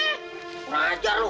kurang ajar lu